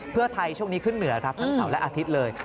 เพื่อไทยช่วงนี้ขึ้นเหนือครับทั้งเสาร์และอาทิตย์เลย